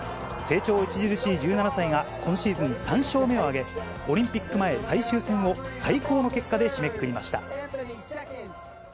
成長著しい１７歳が今シーズン３勝目を挙げ、オリンピック前、最終戦を最高の結果で締めくくりました。